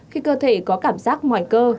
khi cơ thể có cảm giác mỏi cơ